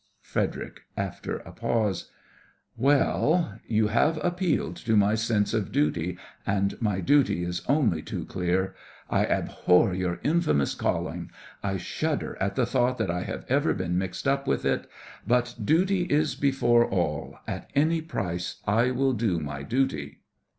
FREDERIC: (after a pause) Well, you have appealed to my sense of duty, and my duty is only too clear. I abhor your infamous calling; I shudder at the thought that I have ever been mixed up with it; but duty is before all — at any price I will do my duty.